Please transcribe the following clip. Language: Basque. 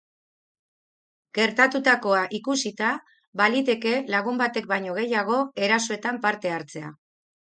Gertatutakoa ikusita, baliteke lagun batek baino gehiago erasoetan parte hartzea.